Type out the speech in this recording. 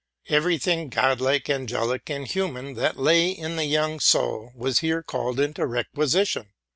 Every thing Godlike, angelic, and human that lay in the young soul was here called into requisition.